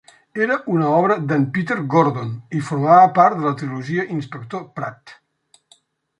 Era una obra de"n Peter Gordon y formava part de la trilogia 'Inspector Pratt'.